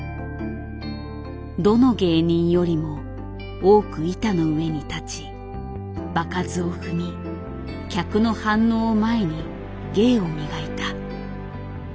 どの芸人よりも多く板の上に立ち場数を踏み客の反応を前に芸を磨いた。